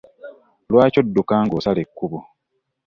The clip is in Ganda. Lwaki odduka nga osala ekubo?